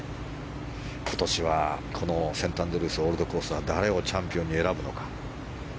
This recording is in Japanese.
今年はこのセントアンドリュースオールドコースは誰をチャンピオンに選ぶのか。